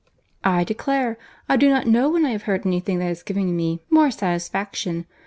"I declare, I do not know when I have heard any thing that has given me more satisfaction!